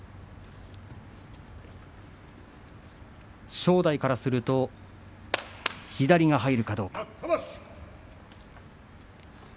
正代が勝ちますと左が入るかどうか。